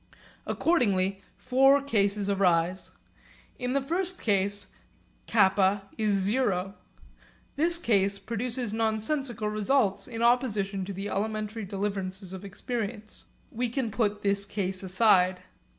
Accordingly four cases arise. In the first case k is zero. This case produces nonsensical results in opposition to the elementary deliverances of experience. We put this case aside.